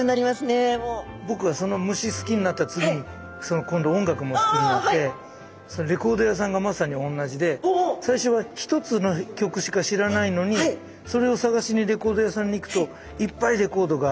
僕はその虫好きになった次に今度音楽も好きになってそれでレコード屋さんがまさにおんなじで最初は一つの曲しか知らないのにそれを探しにレコード屋さんに行くといっぱいレコードがあって。